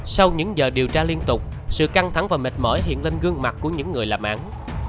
sau những giờ điều tra liên tục sự căng thẳng và mệt mỏi hiện lên gương mặt của những người làm án